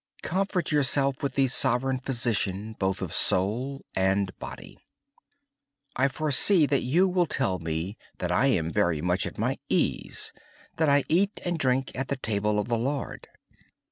Comfort yourself with the Sovereign Physician of both soul and body. I expect you will say that I am very much at ease, and that I eat and drink at the table of the Lord.